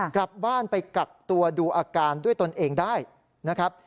กลับบ้านไปกักตัวดูอาการด้วยตนเองได้นะครับ